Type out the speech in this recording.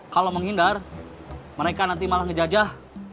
kalau menghindar mereka nanti malah ngejajah